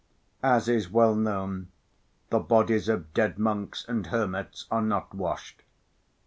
As is well known, the bodies of dead monks and hermits are not washed.